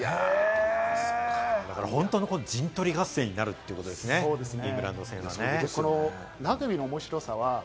だから本当に陣取り合戦になるんですね、イングランド戦は。